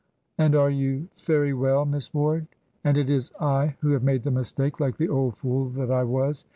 "And are you ferry well, Miss Ward? And it is I who have made the mistake, like the old fool that I was.